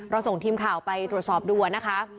ส่งทีมข่าวไปตรวจสอบดูนะคะ